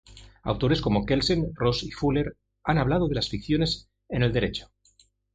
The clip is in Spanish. Autores como Kelsen, Ross y Fuller han hablado de las ficciones en el derecho.